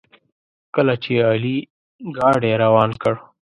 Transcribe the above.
کله چې علي ګاډي روان کړ.